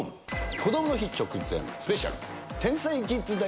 こどもの日直前スペシャル。